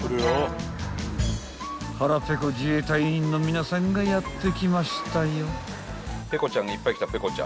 ［腹ペコ自衛隊員の皆さんがやって来ましたよ］